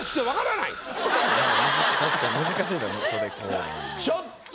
確かに難しいな「袖高欄」。